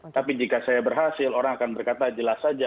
tapi jika saya berhasil orang akan berkata jelas saja